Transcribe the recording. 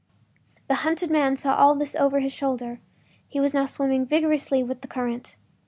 The hunted man saw all this over his shoulder; he was now swimming vigorously with the current.